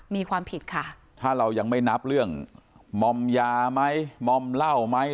มีความผิดค่ะถ้าเรายังไม่นับเรื่องมอมยาไหมมอมเหล้าไหม